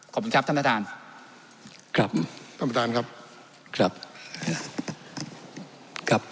ขอบคุณครับท่านประธานครับท่านประธานครับครับ